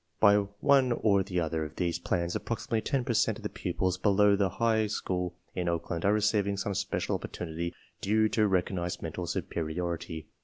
By one or the other of these plans approximately 10 per cent of the pupils below the high school in Oakland are receiving some special op portunity due to recognized mental superiority.